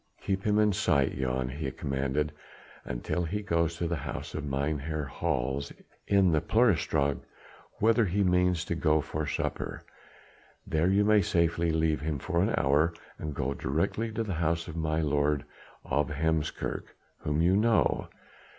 "Keep him in sight, Jan," he commanded, "until he goes to the house of Mynheer Hals in the Peuselaarsteg, whither he means to go for supper. There you may safely leave him for an hour, and go directly to the house of my Lord of Heemskerk whom you know.